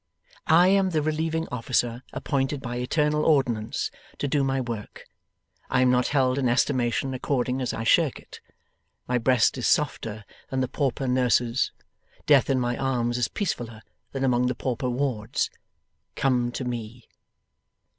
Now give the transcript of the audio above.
I am the Relieving Officer appointed by eternal ordinance to do my work; I am not held in estimation according as I shirk it. My breast is softer than the pauper nurse's; death in my arms is peacefuller than among the pauper wards. Come to me!